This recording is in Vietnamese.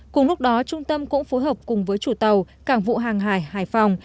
cùng lúc đó trung tâm cũng phối hợp cùng với chủ tàu cảng vụ hàng hải hải phòng